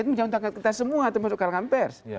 tapi menjauhkan kita semua termasuk karyawan pers